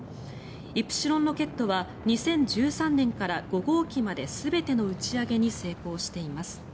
イプシロンロケットは２０１３年から５号機まで全ての打ち上げに成功しています。